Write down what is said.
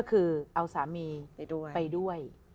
ก็คือเอาสามีไปด้วย